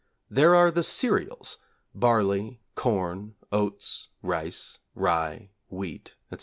There are the cereals, barley, corn, oats, rice, rye, wheat, etc.